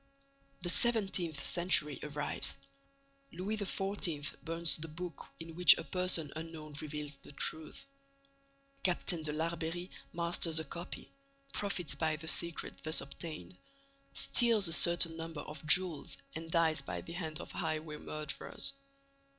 The seventeenth century arrives. Louis XIV. burns the book in which a person unknown reveals the truth. Captain de Larbeyrie masters a copy, profits by the secret thus obtained, steals a certain number of jewels and dies by the hand of highway murderers.